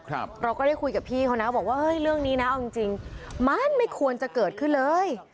เราก็ได้คุยกับพี่เขานะบอกว่าเฮ้ยเรื่องนี้นะเอาจริงจริงมันไม่ควรจะเกิดขึ้นเลย